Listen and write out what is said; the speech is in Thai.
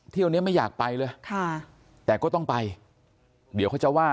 เนี้ยไม่อยากไปเลยค่ะแต่ก็ต้องไปเดี๋ยวเขาจะว่า